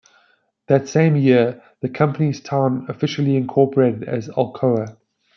That same year, the company's town officially incorporated as "Alcoa".